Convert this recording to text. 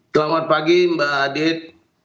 selamat pagi mbak adit